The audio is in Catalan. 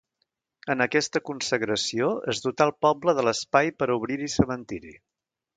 En aquesta consagració es dotà el poble de l'espai per a obrir-hi cementiri.